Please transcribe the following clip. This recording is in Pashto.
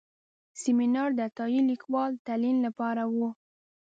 سیمینار د عطایي لیکوال تلین لپاره و.